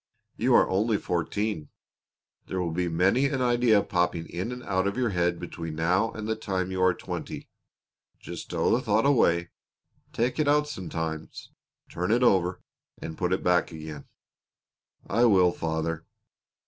You are only fourteen. There will be many an idea popping in and out of your head between now and the time you are twenty. Just stow the thought away; take it out sometimes, turn it over, and put it back again." "I will, father."